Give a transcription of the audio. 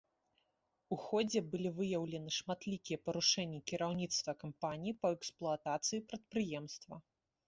У ходзе былі выяўлены шматлікія парушэнні кіраўніцтва кампаніі па эксплуатацыі прадпрыемства.